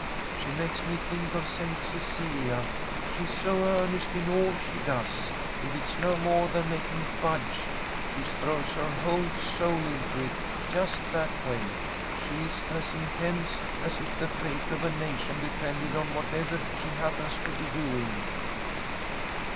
She makes me think of St. Cecilia. She's so earnest in all she does. If it's no more than making fudge, she throws her whole soul into it, just that way. She's as intense as if the fate of a nation depended on whatever she happens to be doing."